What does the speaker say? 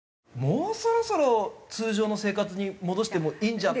もうそろそろ通常の生活に戻してもいいんじゃ。